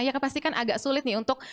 ya kepastikan agak sulit nih untuk